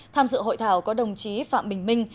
tham dự hội thảo có đồng chí phạm bình minh